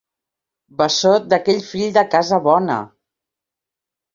Bessó d'aquell fill de casa bona!